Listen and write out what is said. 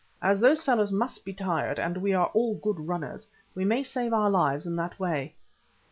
As those fellows must be tired and we are all good runners, we may save our lives in that way."